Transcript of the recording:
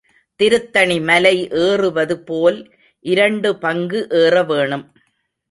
திருத்தணி மலை ஏறுவது போல் இரண்டு பங்கு ஏறவேணும்.